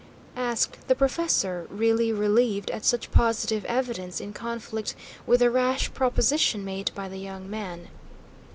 asked the professor, really relieved at such positive evidence in conflict with the rash proposition made by the young man.